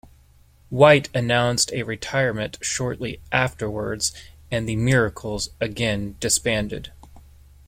White announced a retirement shortly afterwards and the Miracles again disbanded.